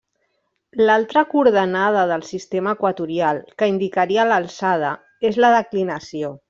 L'altra coordenada del sistema equatorial, que indicaria l'alçada és la declinació.